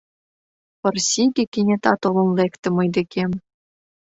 Пырысиге кенета толын лекте мый декем.